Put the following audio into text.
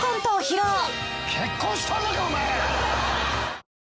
結婚しとんのかお前！